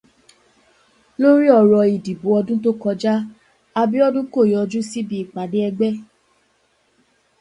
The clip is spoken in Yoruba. Lórí ọ̀rọ̀ ìdìbò ọdún tó kọjá, Abíọ́dún kò yóju síbi ìpàdé ẹgbẹ́.